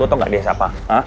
lo tau gak dia siapa